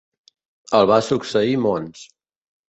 El va succeir Mons.